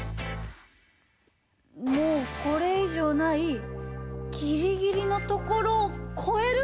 もうこれいじょうないギリギリのところをこえる！